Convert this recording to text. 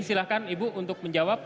silahkan ibu untuk menjawab